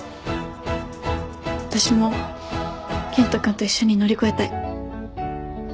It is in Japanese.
私も健人君と一緒に乗り越えたい。